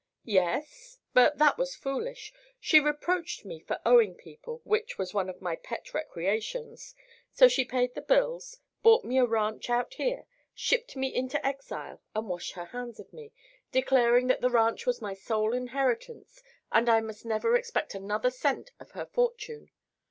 "Yes; but that was foolish. She reproached me for owing people, which was one of my pet recreations. So she paid the bills, bought me a ranch out here, shipped me into exile and washed her hands of me, declaring that the ranch was my sole inheritance and I must never expect another cent of her fortune.